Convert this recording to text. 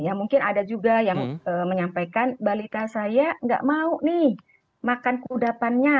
ya mungkin ada juga yang menyampaikan balita saya nggak mau nih makan kudapannya